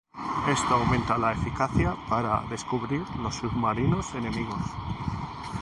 Esto aumenta la eficacia para descubrir los submarinos enemigos.